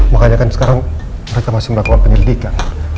makanya kan sekarang mereka masih melakukan penyelidikan